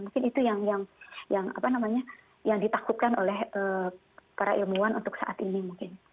mungkin itu yang ditakutkan oleh para ilmuwan untuk saat ini mungkin